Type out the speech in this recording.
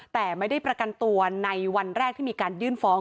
แต่ไม่ได้ประกันตัวในวันแรกที่มีการยื่นฟ้อง